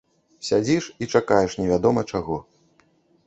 Сядзіш і чакаеш невядома чаго.